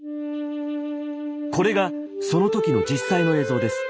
これがその時の実際の映像です。